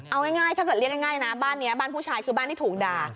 เอาง่ายถ้าเกิดเรียกง่ายนะบ้านนี้บ้านผู้ชายคือบ้านที่ถูกด่า